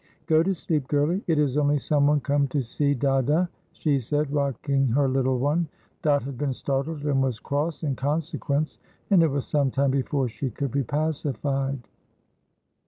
"Go to sleep, girlie, it is only someone come to see dada," she said, rocking her little one. Dot had been startled and was cross in consequence, and it was sometime before she could be pacified.